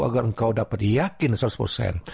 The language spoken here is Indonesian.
agar engkau dapat yakin seratus persen